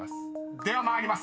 ［では参ります。